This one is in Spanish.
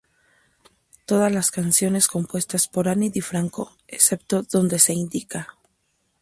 Todas las canciones compuestas por Ani DiFranco, excepto dónde se indica.